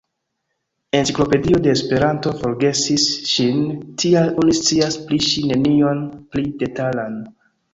Enciklopedio de Esperanto forgesis ŝin, tial oni scias pri ŝi nenion pli detalan.